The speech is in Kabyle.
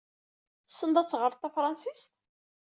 Tessned ad teɣred tafṛensist?